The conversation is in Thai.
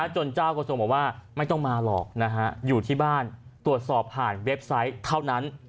เจ้ากระทรวงบอกว่าไม่ต้องมาหรอกอยู่ที่บ้านตรวจสอบผ่านเว็บไซต์เท่านั้น